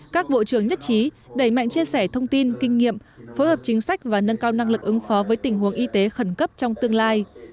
các bộ trưởng nhất trí đẩy mạnh chia sẻ thông tin kinh nghiệm phối hợp chính sách và nâng cao năng lực ứng phó với tình huống y tế khẩn cấp trong tương lai